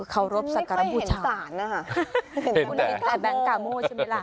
เคารพสักการบูชาไม่เคยเห็นสารน่ะคุณเห็นแต่แบงกาโมใช่ไหมล่ะ